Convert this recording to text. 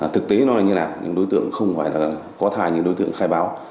thực tế nó là như thế nào đối tượng không phải là có thai như đối tượng khai báo